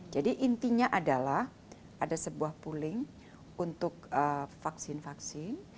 jadi intinya adalah ada sebuah pooling untuk vaksin vaksin